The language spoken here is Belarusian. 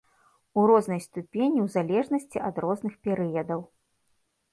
У рознай ступені ў залежнасці ад розных перыядаў.